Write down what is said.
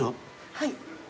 はい。